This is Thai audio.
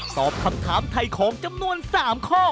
ตอบคำถามไถ่ของจำนวน๓ข้อ